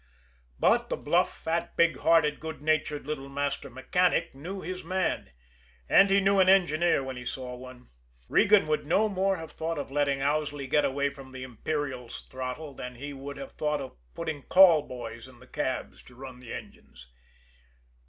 But the bluff, fat, big hearted, good natured, little master mechanic, knew his man and he knew an engineer when he saw one. Regan would no more have thought of letting Owsley get away from the Imperial's throttle than he would have thought of putting call boys in the cabs to run his engines.